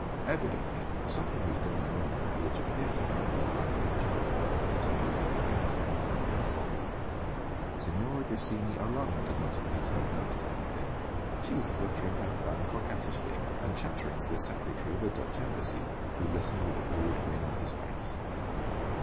Evidently something was going on there which appeared to them in the light of a joke, and to most of the guests in that of an insult. Signora Grassini alone did not appear to have noticed anything; she was fluttering her fan coquettishly and chattering to the secretary of the Dutch embassy, who listened with a broad grin on his face.